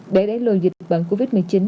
để đẩy lùi dịch bằng covid một mươi chín